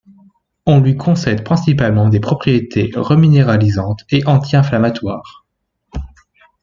On lui concède principalement des propriétés reminéralisantes et anti-inflammatoires.